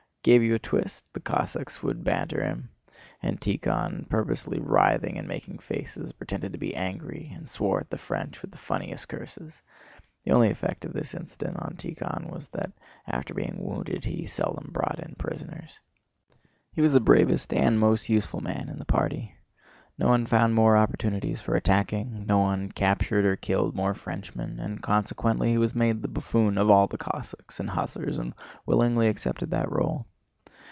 Gave you a twist?" the Cossacks would banter him. And Tíkhon, purposely writhing and making faces, pretended to be angry and swore at the French with the funniest curses. The only effect of this incident on Tíkhon was that after being wounded he seldom brought in prisoners. He was the bravest and most useful man in the party. No one found more opportunities for attacking, no one captured or killed more Frenchmen, and consequently he was made the buffoon of all the Cossacks and hussars and willingly accepted that role.